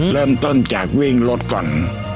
เริ่มต้นจากวิ่งรถก่อน